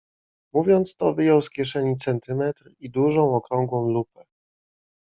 "Mówiąc to wyjął z kieszeni centymetr i dużą okrągłą lupę."